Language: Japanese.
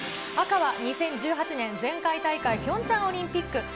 赤は、２０１８年、前回大会、ピョンチャンオリンピック。